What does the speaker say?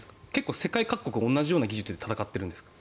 世界各国、同じような技術で戦ってるんですか？